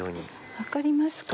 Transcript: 分かりますか？